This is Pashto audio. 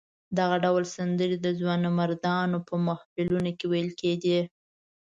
دغه ډول سندرې د ځوانمردانو په محفلونو کې ویل کېدې.